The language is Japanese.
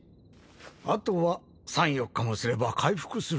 あとは３４日もすれば回復するじゃろう。